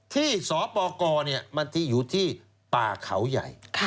ที่สปกมันที่อยู่ที่ป่าเขาใหญ่